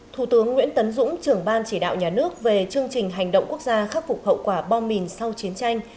thủ tướng nguyễn tấn dũng trưởng ban chỉ đạo nhà nước về chương trình hành động quốc gia khắc phục hậu quả bom mìn sau chiến tranh